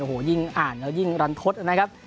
โอ้โหยิ่งอ่านแล้วยิ่งรันทศนะครับ